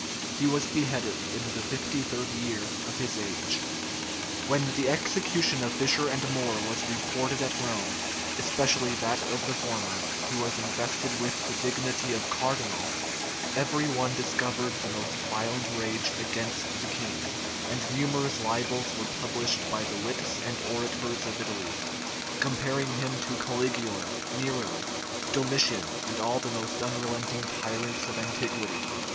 He was beheaded in the fifty third year of his age. * More's Life of Sir Thomas More. Herbert, p. 393 When the execution of Fisher and More was reported at Rome, especially that of the former, who was invested with the dignity of cardinal, every one discovered the most violent rage against the king; and numerous libels were published by the wits and orators of Italy, comparing him to Caligula, Nero, Domitian, and all the most unrelenting tyrants of antiquity.